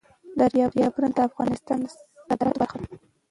دریابونه د افغانستان د صادراتو برخه ده.